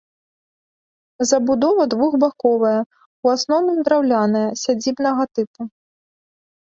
Забудова двухбаковая, у асноўным драўляная, сядзібнага тыпу.